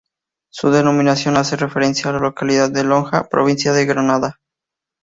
Su denominación hace referencia a la localidad de Loja, provincia de Granada.